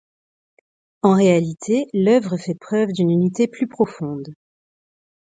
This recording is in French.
En réalité l'œuvre fait preuve d'une unité plus profonde.